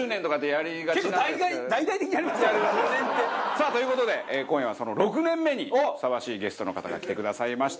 さあという事で今夜はその６年目にふさわしいゲストの方が来てくださいました。